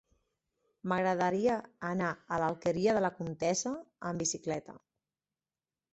M'agradaria anar a l'Alqueria de la Comtessa amb bicicleta.